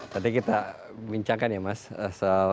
tadi kita bincangkan ya mas